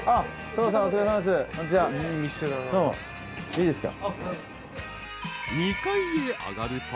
いいですか？